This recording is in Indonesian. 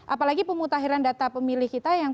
apalagi pemutahiran data pemilih kita yang